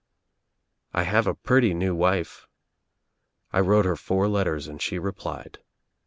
"1 have a pretty new wife. I wrote her four letters and she replied.